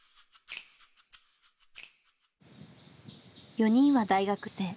４人は大学生。